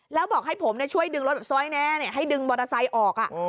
แล้วบอกให้ผมช่วยดึงรถแบบซอยแน่ให้ดึงมอเตอร์ไซค์ออก